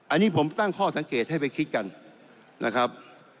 อันนี้ผมตั้งข้อสังเกตให้ไปคิดกันนะครับ